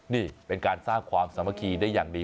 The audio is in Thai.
นี่เป็นการสร้างความสามัคคีได้อย่างดี